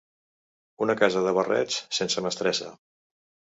Una casa de barrets sense mestressa.